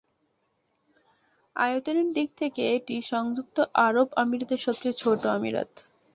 আয়তনের দিক থেকে এটি সংযুক্ত আরব আমিরাতের সবচেয়ে ছোট আমিরাত।